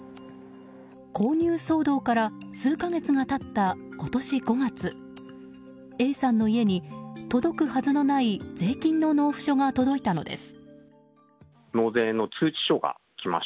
購入騒動から数か月が経った今年５月Ａさんの家に届くはずのない税金の納付書が届いたのです。